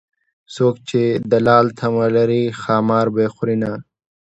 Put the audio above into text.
څوک چې د لال تمه لري ښامار به يې خورینه